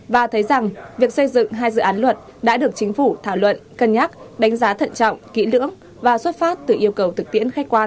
và thấy rằng việc xây dựng hai dự án luật đã được chính phủ thảo luận cân nhắc đánh giá thận trọng kỹ lưỡng và xuất phát từ yêu cầu thực tiễn khách quan